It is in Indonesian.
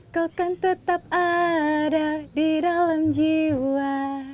kau akan tetap ada di dalam jiwa